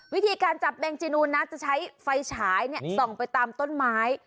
วิธีการจับแมงจีนูนนะจะใช้ไฟฉายส่องไปตามต้นไม้